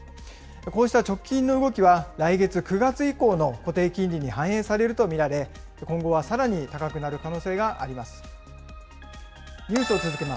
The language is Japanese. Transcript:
こうした直近の動きは、来月・９月以降の固定金利に反映されると見られ、今後はさらに高くなる可能性があります。